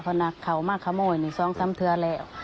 เพราะน่ะเขามาขโมยนี่สองสามเถือแล้ว